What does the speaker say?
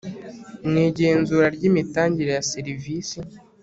mu igenzura ry imitangire ya serivisi